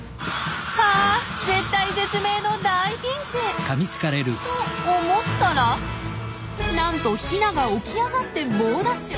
あ絶体絶命の大ピンチ！と思ったらなんとヒナが起き上がって猛ダッシュ！